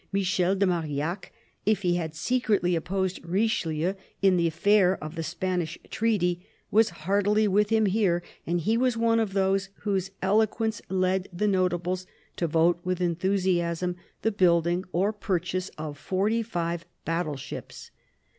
Michel de Marillac, if he had secretly opposed Richelieu in the affair of the Spanish treaty, was heartily with him here, and he was one of those whose eloquence led the Notables to vote with enthusiasm the building or purchase of forty five battle ships.